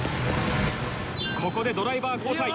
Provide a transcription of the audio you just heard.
ここでドライバー交代。